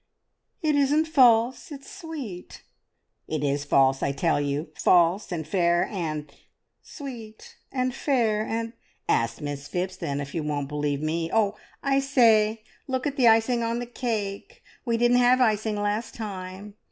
'" "It isn't false; it's sweet!" "It is false, I tell you! False, and fair, and " "Sweet, and fair, and " "Ask Miss Phipps, then, if you won't believe me. Oh, I say, look at the icing on the cake! We didn't have icing last time.